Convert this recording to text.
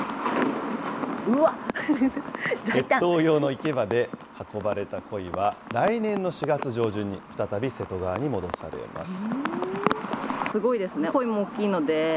越冬用の池まで運ばれたコイは、来年の４月上旬に再び瀬戸川に戻されます。